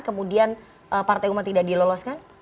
kemudian partai umat tidak diloloskan